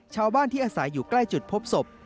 ชาวบ้านที่อาศัยอยู่ใกล้จุดพบศพ